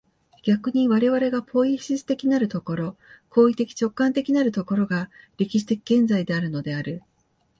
逆に我々がポイエシス的なる所、行為的直観的なる所が、歴史的現在であるのである。